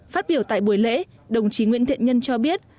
phát biểu tại buổi lễ đồng chí nguyễn thiện nhân cho biết